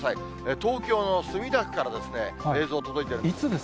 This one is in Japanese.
東京の墨田区から映像届いているんです。